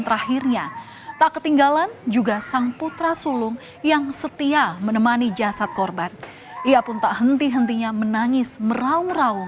terakhirnya tak ketinggalan juga sang putra sulung yang setia menemani jasad korban ia pun tak henti hentinya menangis meraung raung